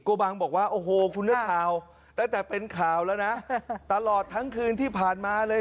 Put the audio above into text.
บังบอกว่าโอ้โหคุณนักข่าวตั้งแต่เป็นข่าวแล้วนะตลอดทั้งคืนที่ผ่านมาเลย